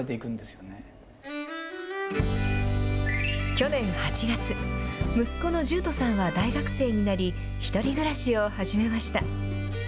去年８月、息子の十斗さんは大学生になり、１人暮らしを始めました。